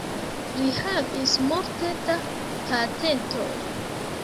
Li havis multe da patentoj.